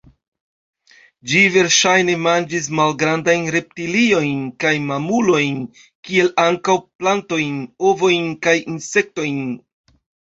Ĝi verŝajne manĝis malgrandajn reptiliojn kaj mamulojn kiel ankaŭ plantojn, ovojn kaj insektojn.